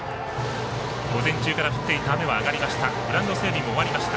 午前中から降っていた雨は上がりました。